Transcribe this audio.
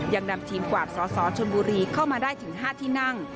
ยังนำทีมกวาดสสชนบุรีเข้ามาได้ถึง๕ที่นั่ง